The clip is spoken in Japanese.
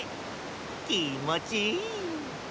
きもちいい。